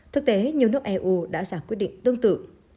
thực tế nhiều nước eu đã giả quyết định tương tự